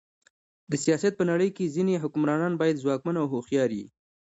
د سیاست په نړۍ کښي ځيني حکمرانان باید ځواکمن او هوښیار يي.